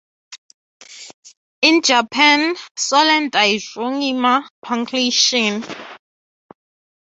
In Japan sollen die Züge immer pünktlich sein.